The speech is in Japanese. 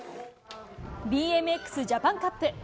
ＢＭＸジャパンカップ。